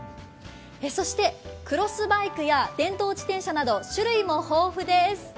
そしてクロスバイクや電動自転車など種類も豊富です。